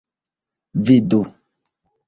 Vidu!